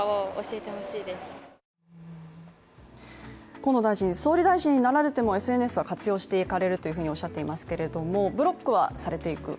河野大臣、総理大臣になられてもＳＮＳは活用されると伺っていますがブロックはされていく？